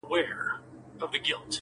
• وږی ګرځي خو مغرور لکه پاچا وي -